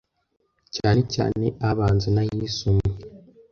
cyane cyane abanza n’ayisumbuye